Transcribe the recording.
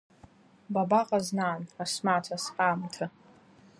Бабаҟаз, нан, Асмаҭ, асҟаамҭа?